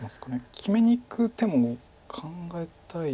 決めにいく手も考えたい。